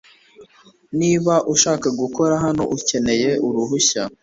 Niba ushaka gukora hano, ukeneye uruhushya.